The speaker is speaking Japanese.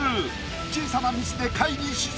小さなミスで下位に沈む。